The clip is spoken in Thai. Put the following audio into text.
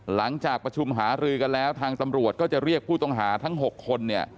หลังจากประชุมหารือกันแล้วทางตำรวจก็จะเรียกผู้ต้องหาทั้ง๖คนเนี่ย